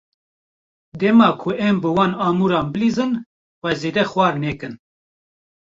Dema ku em bi van amûran bilîzin, xwe zêde xwar nekin.